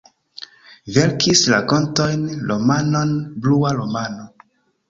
Verkis rakontojn, romanon "Blua romano".